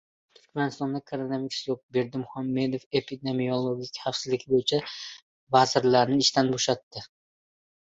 Turkmanistonda koronavirus yo‘q! Berdimuhamedov epidemiologik xavfsizlik bo‘yicha vazirlarni ishdan bo‘shatdi